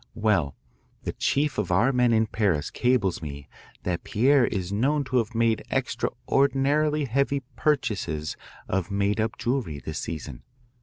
Well, the chief of our men in Paris cables me that Pierre is known to have made extraordinarily heavy purchases of made up jewellery this season.